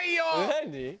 何？